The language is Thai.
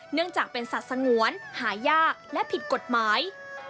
เนื่องจากเป็นสัตว์สงวนหายากและผิดกฎหมาย